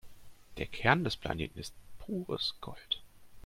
Der Kern des Planeten ist pures Gold.